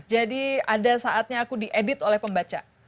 jadi ada saatnya aku diedit oleh pembaca